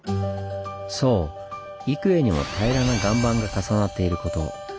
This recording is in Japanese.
そう幾重にも平らな岩盤が重なっていること。